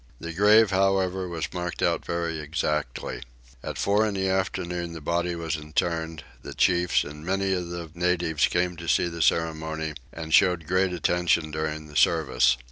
The grave however was marked out very exactly. At four in the afternoon the body was interred: the chiefs and many of the natives came to see the ceremony and showed great attention during the service.